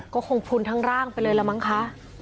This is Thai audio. ก็คงพลุนทั้งร่างไปเลยละมั้งคะ